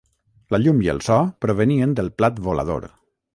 La llum i el so provenien del plat volador.